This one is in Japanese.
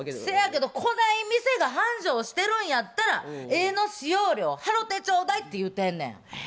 「そやけどこない店が繁盛してるんやったら絵の使用料払うてちょうだい」って言うてんねん。